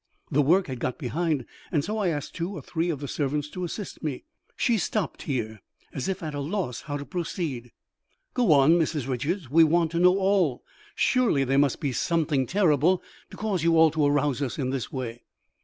The work had got behind, and so I asked two or three of the servants to assist me." She stopped here, as if at a loss how to proceed. "Go on, Mrs. Richards; we want to know all. Surely there must be something terrible to cause you all to arouse us in this way."